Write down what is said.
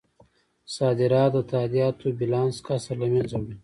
صادرات د تادیاتو بیلانس کسر له مینځه وړي.